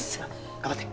頑張って。